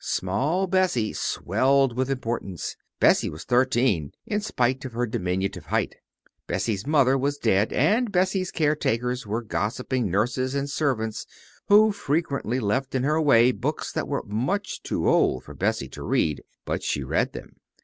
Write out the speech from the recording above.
Small Bessie swelled with importance. Bessie was thirteen, in spite of her diminutive height. Bessie's mother was dead, and Bessie's caretakers were gossiping nurses and servants, who frequently left in her way books that were much too old for Bessie to read but she read them.